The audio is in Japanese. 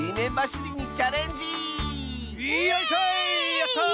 やった！